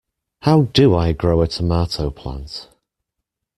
How do I grow a tomato plant?